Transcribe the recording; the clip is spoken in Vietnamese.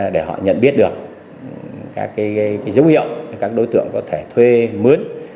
để họ nhận biết được các dấu hiệu các đối tượng có thể thuê mướn